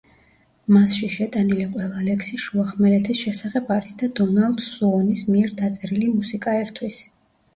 მასში შეტანილი ყველა ლექსი შუახმელეთის შესახებ არის და დონალდ სუონის მიერ დაწერილი მუსიკა ერთვის.